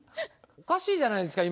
おかしいじゃないですか！